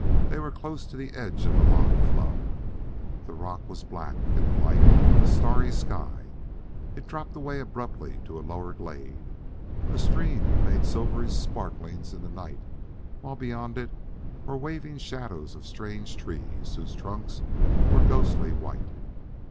They were close to the edge of the lava flow. The rock was black in the light of a starry sky; it dropped away abruptly to a lower glade. A stream made silvery sparklings in the night, while beyond it were waving shadows of strange trees whose trunks were ghostly white.